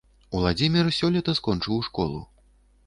Уладзімір сёлета скончыў школу.